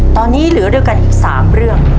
ตอนนี้เหลือด้วยกันอีก๓เรื่อง